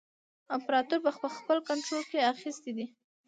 امپراطور په خپل کنټرول کې اخیستی دی.